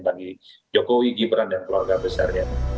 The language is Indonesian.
bagi jokowi gibran dan keluarga besarnya